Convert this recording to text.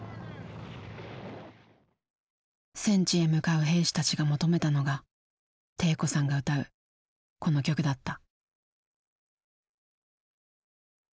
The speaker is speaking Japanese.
戦地へ向かう兵士たちが求めたのが悌子さんが歌うこの曲だった。